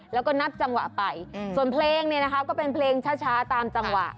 แล้วก็นับจังหวะไปส่วนเพลงเนี่ยนะคะก็เป็นเพลงช้าตามจังหวะ